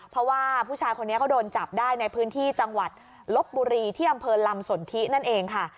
เพราะว่าผู้ชายคนนี้เขาโดนจับได้ในพื้นที่จังหวัดลบบุรีที่อำเภอลำสนทินั่นเองค่ะ